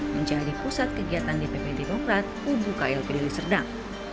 menjadi pusat kegiatan dpp demokrat hubung klb deli serdang